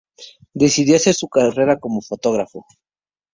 Decidió hacer su carrera como fotógrafo.